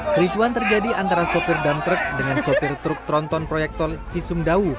kericuan terjadi antara sopir dam truk dengan sopir truk tronton proyek tol cisumdawu